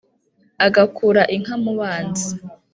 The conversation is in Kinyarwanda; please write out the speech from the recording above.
agakura inka mu banzi,